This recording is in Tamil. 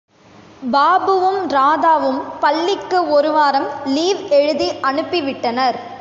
பாபுவும், ராதாவும் பள்ளிக்கு ஒரு வாரம் லீவ் எழுதி அனுப்பிவிட்டனர்.